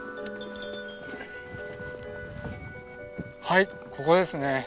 はいここですね。